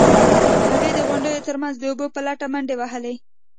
هغې د غونډیو ترمنځ د اوبو په لټه منډې وهلې.